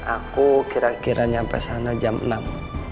aku kira kira nyampe sana jam enam